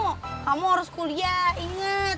kamu harus kuliah inget